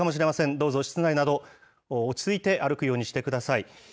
どうぞ、室内など、落ち着いて歩くようにしてください。